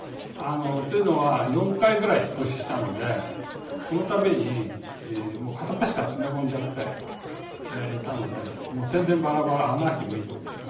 というのは４回ぐらい引っ越ししたのでその度にもう片っ端から詰め込んじゃっていたのでもうてんでんばらばらアナーキーもいいところですね。